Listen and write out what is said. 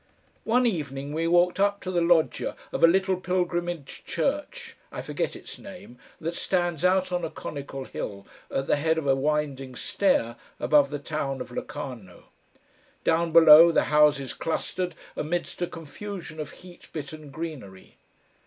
One evening we walked up to the loggia of a little pilgrimage church, I forget its name, that stands out on a conical hill at the head of a winding stair above the town of Locarno. Down below the houses clustered amidst a confusion of heat bitten greenery.